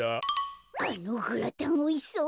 あのグラタンおいしそう！